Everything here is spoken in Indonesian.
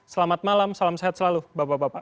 selamat malam salam sehat selalu bapak bapak